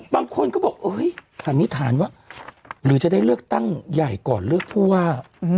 บางคนก็บอกสันนิษฐานว่าหรือจะได้เลือกตั้งใหญ่ก่อนเลือกผู้ว่า